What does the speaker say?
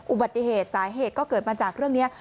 อุบัติเหตุสาเหตุก็เกิดมาจากเรื่องนี้